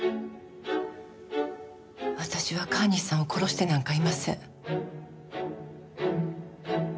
私は川西さんを殺してなんかいません。